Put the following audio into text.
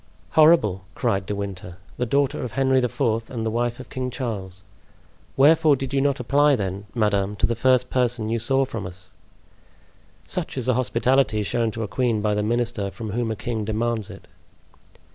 "Horrible!" cried De Winter; "the daughter of Henry IV., and the wife of King Charles! Wherefore did you not apply, then, madame, to the first person you saw from us?" "Such is the hospitality shown to a queen by the minister from whom a king demands it."